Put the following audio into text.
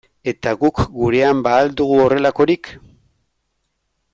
Eta guk gurean ba al dugu horrelakorik?